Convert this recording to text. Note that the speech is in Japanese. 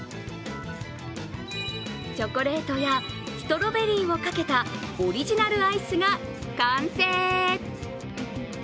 チョコレートやストロベリーをかけたオリジナルアイスが完成。